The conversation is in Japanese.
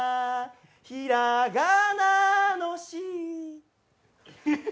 ひらがなのし。